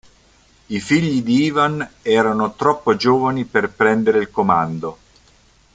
I figli di Ivan erano troppo giovani per prendere il comando.